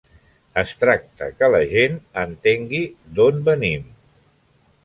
Es tracta que la gent entengui d'on venim.